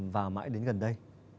và mãi đến gần đây